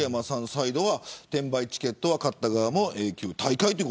サイドは転売チケットは買った側も永久退会。